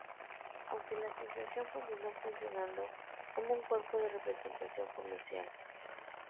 Aunque la Asociación continuó funcionando como un cuerpo de representación comercial.